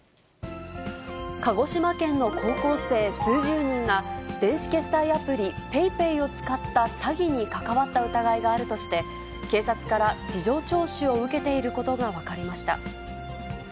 鹿児島県の高校生数十人が、電子決済アプリ、ＰａｙＰａｙを使った詐欺に関わった疑いがあるとして、警察から事情聴取を受けていることが分かりました。